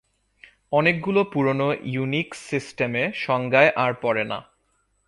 অনেকগুলো পুরোনো Unix system এ সংজ্ঞায় আর পড়ে না।